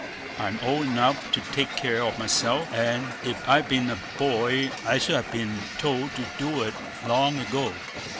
I'm old enough to take care of myself; and if I'd been a boy, I should have been told to do it long ago.